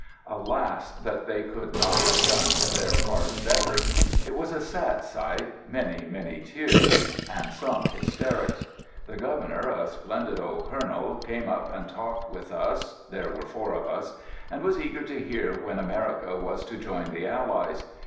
Alas, that they could not have done their part better ! It was a sad sight — many, many tears — and some hysterics ! The Governor, a splendid old Colonel, came up FIELD SERVICE 27 and talked with us (there were four of us), and was eager to hear when America was to join the Allies.